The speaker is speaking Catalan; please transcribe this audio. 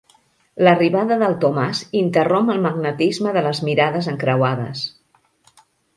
L'arribada del Tomàs interromp el magnetisme de les mirades encreuades.